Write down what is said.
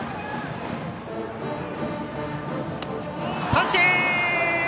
三振！